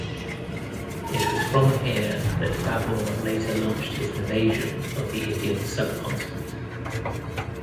It was from here that Babur later launched his invasion of the Indian subcontinent.